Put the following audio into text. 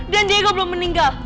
dan diego belum meninggal